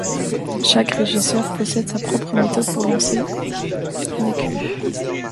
Chaque régisseur possède sa propre méthode pour lancer des cues.